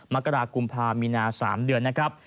มกรากุมภามีนา๓เดือนนะครับ